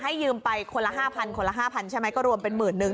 ยืมไปคนละ๕๐๐คนละ๕๐๐ใช่ไหมก็รวมเป็นหมื่นนึง